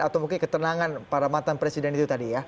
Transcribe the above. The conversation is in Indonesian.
atau mungkin ketenangan para mantan presiden itu tadi ya